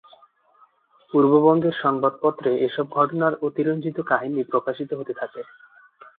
পূর্ববঙ্গের সংবাদপত্রে এসব ঘটনার অতিরঞ্জিত কাহিনী প্রকাশিত হতে থাকে।